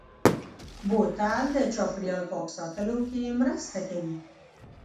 بوتل د چاپېریال پاک ساتلو کې مرسته کوي.